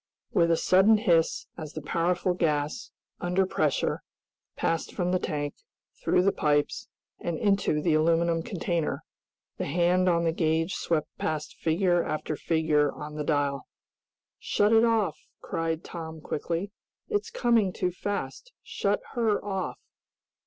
With a sudden hiss, as the powerful gas, under pressure, passed from the tank, through the pipes, and into the aluminum container, the hand on the gauge swept past figure after figure on the dial. "Shut it off!" cried Tom quickly. "It's coming too fast! Shut her off!"